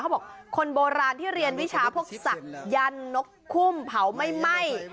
เขาบอกคนโบราณที่เรียนวิชาพวกศักดิ์ยันทร์นกคุ้มเผาไหม้